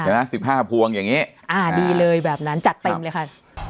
เห็นมั้ยฮะสิบห้าภวงอย่างเงี้ยอ่าดีเลยแบบนั้นจัดเต็มเลยค่ะ